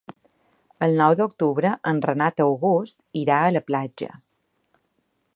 El nou d'octubre en Renat August irà a la platja.